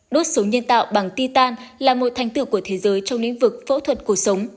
đốt sống nhân tạo bằng ti tan là một thành tựu của thế giới trong lĩnh vực phẫu thuật cổ sống